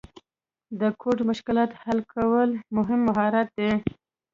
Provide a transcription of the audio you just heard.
د کوډ مشکلات حل کول مهم مهارت دی.